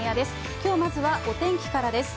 きょうまずは、お天気からです。